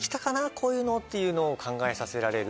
こういうのをっていうのを考えさせられる。